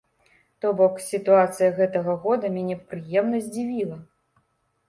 То бок, сітуацыя гэтага года мяне прыемна здзівіла.